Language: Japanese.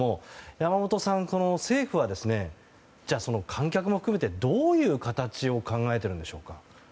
山本さん、政府はその観客も含めて、どういう形を考えているんでしょうか。